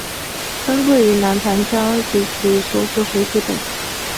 分布于南盘江及其所属水体等。